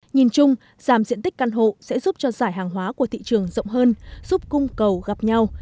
nhìn chung giảm diện tích căn hộ sẽ giúp cho giải hàng hóa của thị trường rộng hơn giúp cung cầu gặp nhau